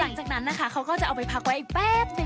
หลังจากนั้นนะคะเขาก็จะเอาไปพักไว้อีกแป๊บหนึ่ง